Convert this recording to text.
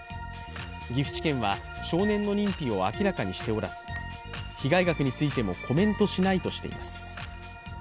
岐阜地検は少年の認否を明らかにしておらず被害額についてもコメントしないとしています。